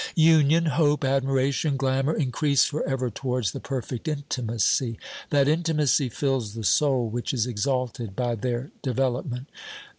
Union, hope, admiration, glamour increase for ever towards the perfect intimacy; that intimacy fills the soul which is exalted by their development.